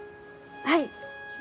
はい。